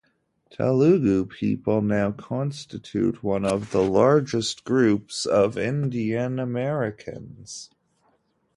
Telugu people now constitute one of the largest groups of Indian Americans.